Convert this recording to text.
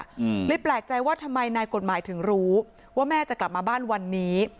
อืมเลยแปลกใจว่าทำไมนายกฎหมายถึงรู้ว่าแม่จะกลับมาบ้านวันนี้